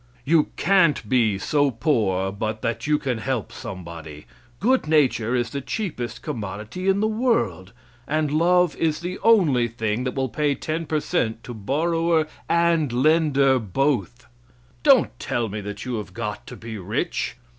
You can't be so poor but that you can help somebody. Good nature is the cheapest commodity in the world; and love is the only thing that will pay 10 percent to borrower and lender both. Don't tell me that you have got to be rich!